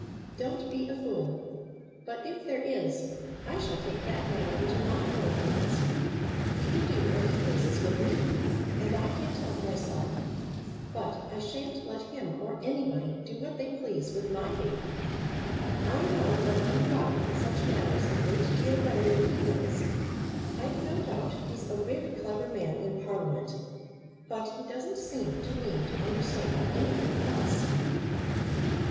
"Don't be a fool! But, if there is, I shall take that matter into my own hands. He can do what he pleases with me, and I can't help myself; but I shan't let him or anybody do what they please with my baby. I know what I'm about in such matters a great deal better than he does. I've no doubt he's a very clever man in Parliament; but he doesn't seem to me to understand anything else."